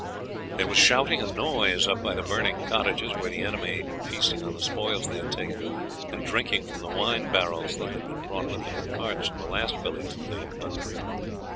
There was shouting and noise up by the burning cottages, where the enemy were feasting on the spoils they had taken, and drinking from the wine barrels that had been brought with them in carts from the last village that they had plundered.